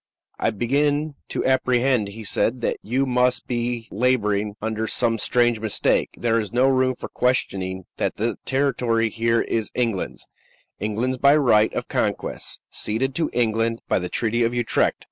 "I begin to apprehend," he said, "that you must be la boring under some strange mistake. There is no room for questioning that the territory here is England's England's by right of conquest; ceded to England by the Treaty of Utrecht.